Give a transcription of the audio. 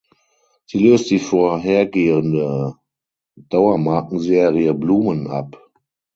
Sie löst die vorhergehende Dauermarkenserie Blumen ab.